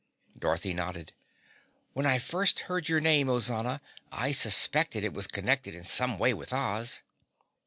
Dorothy nodded. "When I first heard your name, Ozana, I suspected it was connected in some way with Oz."